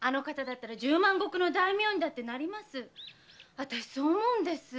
あたしそう思うんです。